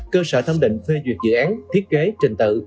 cơ sở thẩm định phê duyệt dự án thiết kế trình tự